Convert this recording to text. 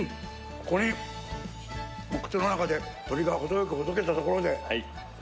ここにお口の中で鶏が程良くほどけたところで。